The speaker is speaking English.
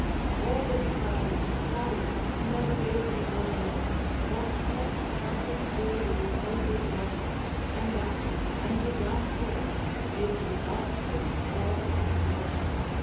"All this time Harry never gave me no hail, but kept tacking through these cursed rocks; and that, and his last words, made me doubt him more and more.